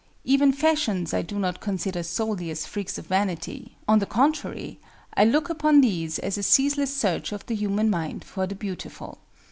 Even fashions I do not consider solely as freaks of vanity; on the contrary, I look upon these as a ceaseless search of the human mind for the beautiful.